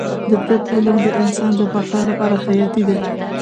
د طب علم د انسان د بقا لپاره حیاتي دی